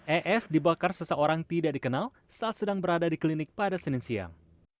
es dibakar seseorang tidak dikenal saat sedang berada di klinik pada senin siang